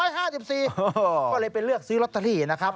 ก็เลยไปเลือกซื้อลอตเตอรี่นะครับ